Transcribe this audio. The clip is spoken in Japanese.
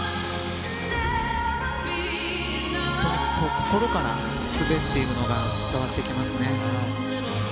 心から滑っているのが伝わってきますね。